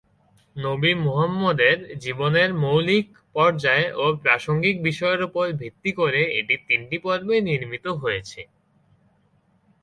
নবী মুহাম্মদের জীবনের মৌলিক পর্যায় ও প্রাসঙ্গিক বিষয়ের উপর ভিত্তি করে এটি তিনটি পর্বে নির্মিত হয়েছে।